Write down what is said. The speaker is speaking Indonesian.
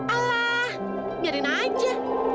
alah biarin aja